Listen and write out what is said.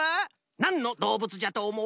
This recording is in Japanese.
なんのどうぶつじゃとおもう？